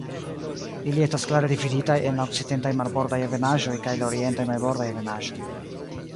Ili estas klare dividitaj en la Okcidentaj Marbordaj Ebenaĵoj kaj la Orientaj Marbordaj Ebenaĵoj.